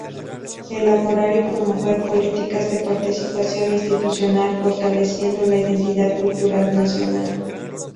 Elaborar y promover políticas de participación institucional fortaleciendo la identidad cultural nacional.